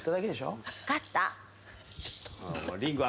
分かった。